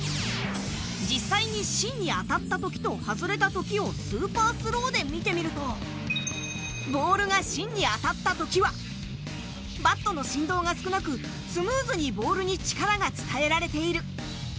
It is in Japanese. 実際に芯に当たった時と外れた時をスーパースローで見てみると、ボールが芯に当たった時はバットの振動が少なく、スムーズにボールに力が伝えられている。